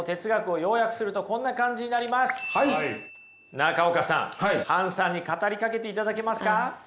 中岡さんハンさんに語りかけていただけますか？